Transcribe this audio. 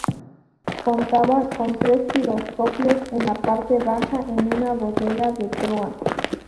Contaba con tres giroscopios en la parte baja en una bodega de proa.